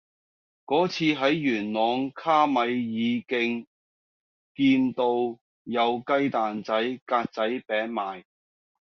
嗰次喺元朗卡米爾徑見到有雞蛋仔格仔餅賣